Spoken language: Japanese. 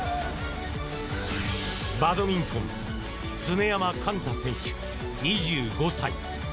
バドミントン常山幹太選手、２５歳。